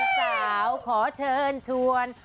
คนลุกคนสาวขอเชิญชวน